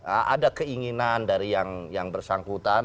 ada keinginan dari yang bersangkutan